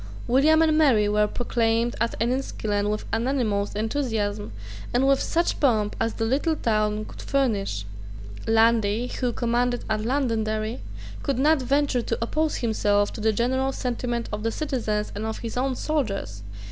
William and Mary were proclaimed at Enniskillen with unanimous enthusiasm, and with such pomp as the little town could furnish, Lundy, who commanded at Londonderry, could not venture to oppose himself to the general sentiment of the citizens and of his own soldiers.